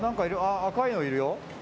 赤いのいるよ。